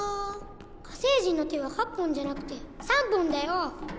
火星人の手は８本じゃなくて３本だよ！